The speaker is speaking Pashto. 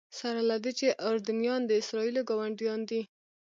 سره له دې چې اردنیان د اسرائیلو ګاونډیان دي.